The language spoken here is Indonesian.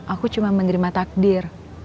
aku cuma menerima takdir